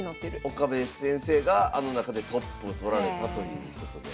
岡部先生があの中でトップをとられたということで。